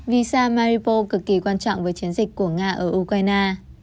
visa maripo cực kỳ quan trọng với chiến dịch của nga ở ukraine